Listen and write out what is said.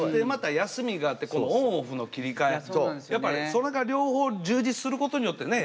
それが両方充実することによってね